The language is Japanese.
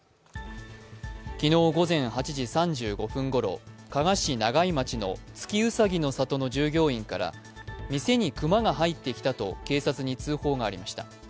昨日、午前８時３５分ごろ加賀市永井町の月うさぎの里の従業員から店に熊が入ってきたと警察に通報がありました。